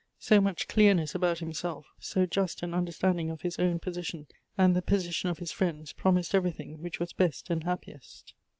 So much clearness about himself, so just an understanding of liis own position and the position of his friends, promised everything which was best and happiest.